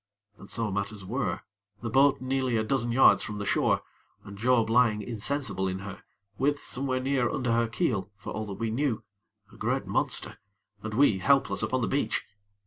And so matters were, the boat nearly a dozen yards from the shore, and Job lying insensible in her; with, somewhere near under her keel (for all that we knew) a great monster, and we helpless upon the beach.